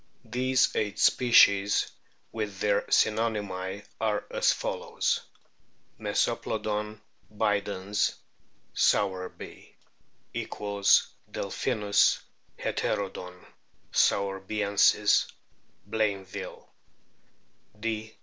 These eight species, with their synonymy,* are as follows : Mesoplodon bidens, Sowerby ;] (j= DelpJiimis {Heter don} soiverbiensis, Blainville ; D.